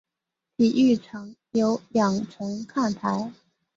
体育场有两层看台。